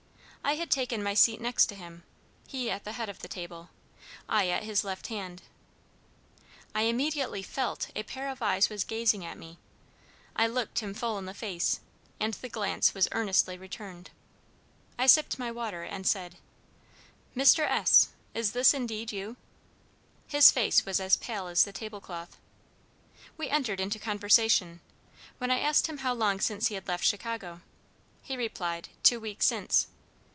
I had taken my seat next to him he at the head of the table, I at his left hand. I immediately felt a pair of eyes was gazing at me. I looked him full in the face, and the glance was earnestly returned. I sipped my water, and said: 'Mr. S., is this indeed you?' His face was as pale as the table cloth. We entered into conversation, when I asked him how long since he had left Chicago. He replied, 'Two weeks since.'